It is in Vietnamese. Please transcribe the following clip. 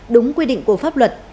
đúng quy định của pháp luật